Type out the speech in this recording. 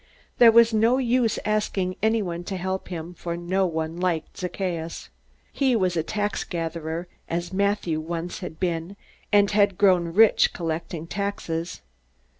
There was no use asking anyone to help him, for no one liked Zacchaeus. He was a taxgatherer, as Matthew once had been, and had grown rich collecting taxes.